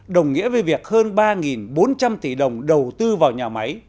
đồng nghĩa với việc hơn ba bốn trăm linh tỷ đồng đầu tư vào nhà máy